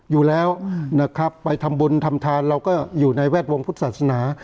อยู่แล้วนะครับไปทำบุญทำทานเราก็อยู่ในแวดวงพุทธศาสนา